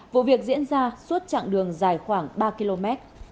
vụ việc diễn ra suốt chặng đường dài khoảng ba km